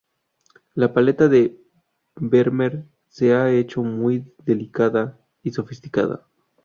La paleta de Vermeer se ha hecho muy delicada y sofisticada.